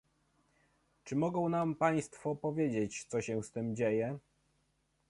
Czy mogą nam państwo powiedzieć, co się z tym dzieje?